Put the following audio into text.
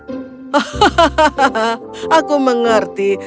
hahaha aku mengerti